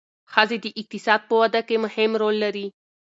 ښځې د اقتصاد په وده کې مهم رول لري.